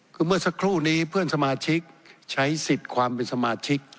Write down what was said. คือเมื่อสักครู่นี้เพื่อนสมาชิกใช้สิทธิ์ความเป็นสมาชิก